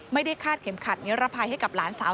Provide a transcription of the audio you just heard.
คาดเข็มขัดนิรภัยให้กับหลานสาว